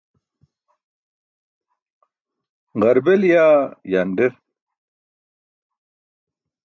Ġarbel ke yanḍar